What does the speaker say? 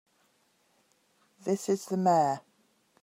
This is the Mayor.